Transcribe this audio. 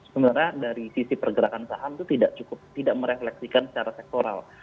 sebenarnya dari sisi pergerakan saham itu tidak cukup tidak merefleksikan secara sektoral